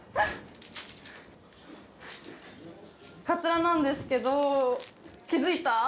かつらなんですけど気づいた？